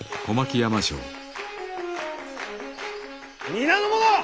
皆の者！